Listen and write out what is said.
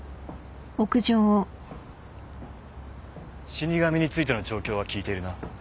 死神についての状況は聞いているな？